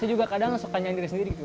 saya juga kadang sukanya diri sendiri gitu